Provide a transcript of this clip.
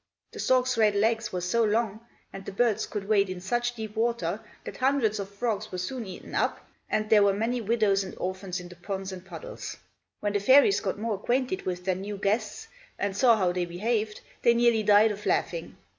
The stork's red legs were so long, and the birds could wade in such deep water, that hundreds of frogs were soon eaten up, and there were many widows and orphans in the ponds and puddles. When the fairies got more acquainted with their new guests, and saw how they behaved, they nearly died of laughing.